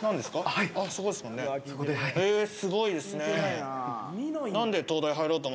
すごいですね。